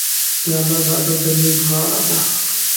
پیاله د ادب د میز غاړه ده.